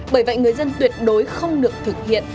bởi vậy người dân tuyệt đối không được thực hiện